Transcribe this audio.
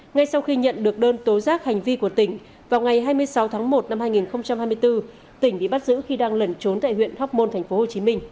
ngay sau khi nhận được đơn tố giác hành vi của tỉnh vào ngày hai mươi sáu tháng một năm hai nghìn hai mươi bốn tỉnh bị bắt giữ khi đang lẩn trốn tại huyện hóc môn tp hcm